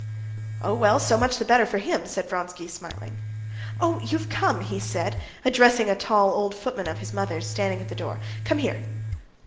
"Oh, well, so much the better for him," said Vronsky smiling. "Oh, you've come," he said, addressing a tall old footman of his mother's, standing at the door; "come here."